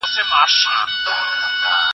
زه به سبا واښه راوړم.